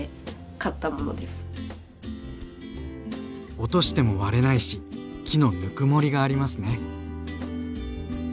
落としても割れないし木のぬくもりがありますね。